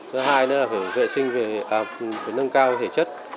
thứ hai là phải nâng cao thể chất